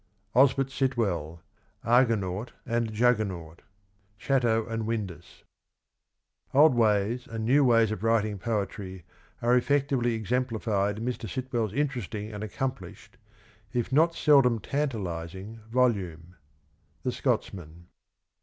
Osbert Sitwell. ARGONAUT AND JUGGERNAUT. Chatto and Windus. " Old ways and new ways of writing poetry are effectively exempUfied in Mr. Sitwell's interesting and accomplished, if not seldom tantahsing, volume." — The Scotsman.